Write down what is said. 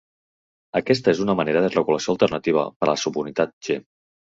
Aquesta és una manera de regulació alternativa per a la subunitat G.